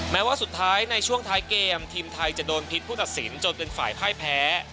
แม้ว่าสุดท้ายในช่วงท้ายเกมทีมไทยจะโดนพิษผู้ตัดสินจนเป็นฝ่ายพ่ายแพ้